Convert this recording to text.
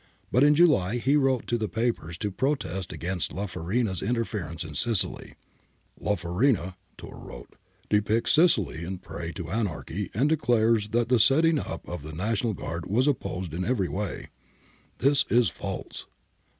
But in July he wrote to the papers to protest against La P'arina's interference in Sicily ;' I^ Farina,' Tiirr wrote, ' depicts Sicily in prey to anarchy and declares that the setting up of the National Guard was opposed in every way. This is false.'